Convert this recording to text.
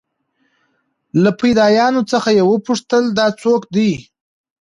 له فدايانو څخه يې وپوښتل دا سوک دې.